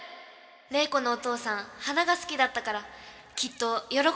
「怜子のお父さん花が好きだったからきっと喜んでるよね」